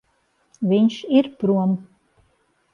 Viņš ir prom.